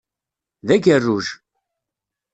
D agerruj!